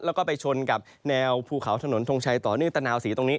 แล้วก็ไปชนกับแนวภูเขาถนนทงชัยต่อเนื่องตะนาวศรีตรงนี้